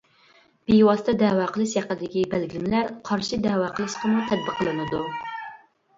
بىۋاسىتە دەۋا قىلىش ھەققىدىكى بەلگىلىمىلەر قارشى دەۋا قىلىشقىمۇ تەتبىقلىنىدۇ.